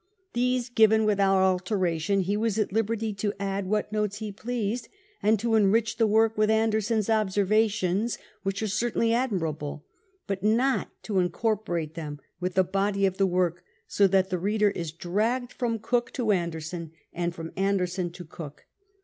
These given without alteration, ho was at liberty to add what notes he pleased, and to enrich the work with Anderson's observations, which are certainly admirable, but not to iiicorpomtc them with the body of the work, so that the rcjuler is dragged from Cook to Anderson and from Anderson to Cook.